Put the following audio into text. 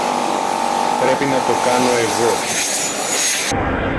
Πρέπει να το κάνω εγώ